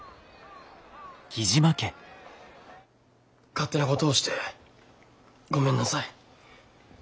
勝手なことをしてごめんなさい。